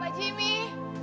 dan gadis di mimpi itu